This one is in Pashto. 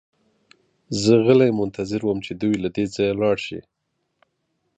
زه غلی منتظر وم چې دوی له دې ځایه لاړ شي